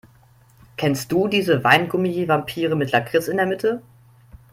Kennst du diese Weingummi-Vampire mit Lakritz in der Mitte?